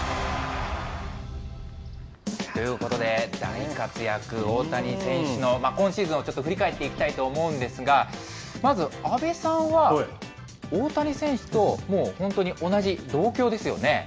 ということで、大活躍、大谷選手の今シーズンをちょっと振り返っていきたいと思うんですが、まず阿部さんは、大谷選手ともう本当に同じ、同郷ですよね？